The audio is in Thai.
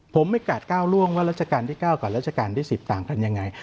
ผมไม่กาดก้าวล่วงว่าราชการที่๙กับราชการที่๑๐ต่างกันยังไง